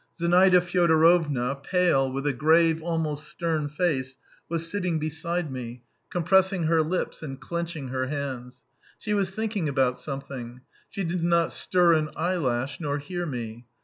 Zinaida Fyodorovna, pale, with a grave, almost stern face, was sitting beside me, compressing her lips and clenching her hands. She was thinking about something; she did not stir an eyelash, nor hear me.